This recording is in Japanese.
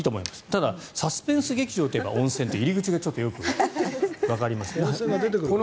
ただ「サスペンス劇場」といえば温泉って入り口がちょっとよくわかりません。